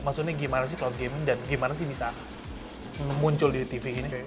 maksudnya gimana sih cloud game dan gimana sih bisa muncul di tv ini